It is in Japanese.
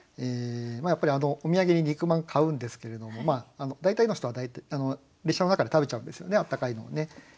やっぱりお土産に肉まん買うんですけれども大体の人は列車の中で食べちゃうんですよね温かいのをね。